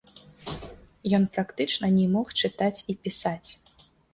Ён практычна не мог чытаць і пісаць.